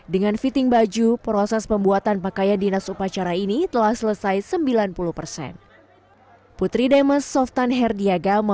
dengan fitting baju proses pembuatan pakaian dinas upacara ini telah selesai sembilan puluh persen